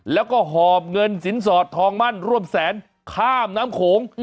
แล้วก็หอบเงินสินสอดทองมั่นร่วมแสนข้ามน้ำโขง